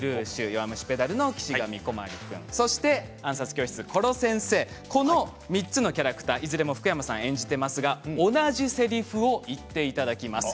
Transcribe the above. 「弱虫ペダル」の岸神小鞠君「暗殺教室」の殺せんせー、３つのキャラクターはいずれも福山さんが演じていますが同じせりふを言っていただきます。